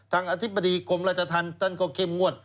ทางอธิบดีกรมรัชธรรมต้นก็เข้มงวด